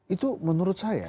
itu menurut saya